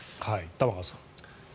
玉川さん。